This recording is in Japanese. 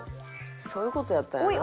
そういう事やったんやなあ。